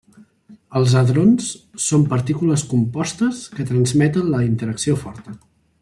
Els hadrons són partícules compostes que transmeten la interacció forta.